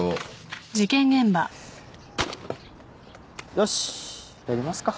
よしやりますか。